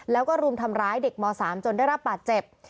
แล้วก็รุมทำร้ายเด็กม๓จนได้รับบาดเจ็บ